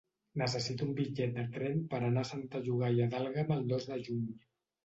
Necessito un bitllet de tren per anar a Santa Llogaia d'Àlguema el dos de juny.